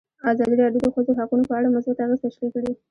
ازادي راډیو د د ښځو حقونه په اړه مثبت اغېزې تشریح کړي.